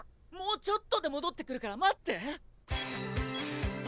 もうちょっとで戻ってくるから待って。